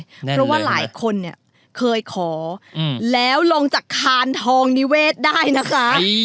แนนล่ะเพราะว่าหลายคนเคยขอแล้วลงจากคานทองนิเวศได้นะคะ